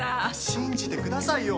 信じてくださいよ！